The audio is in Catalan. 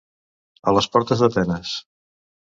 A les portes d'Atenes.